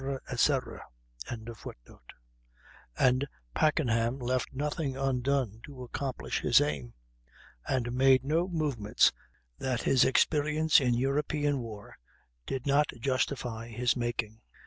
etc.]; and Packenham left nothing undone to accomplish his aim, and made no movements that his experience in European war did not justify his making.